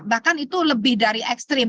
bahkan itu lebih dari ekstrim